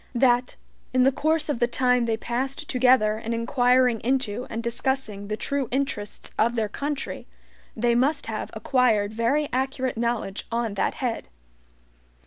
That, in the course of the time they passed together in inquiring into and discussing the true interests of their country, they must have acquired very accurate knowledge on that head.